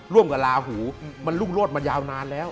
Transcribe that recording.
ร่วมกับลาหูมันรุ่งโรดมายาวนานแล้ว